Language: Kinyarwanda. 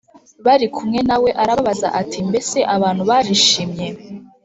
bari kumwe na we arababaza ati Mbese abantu barishimye